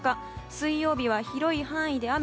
水曜日は広い範囲で雨。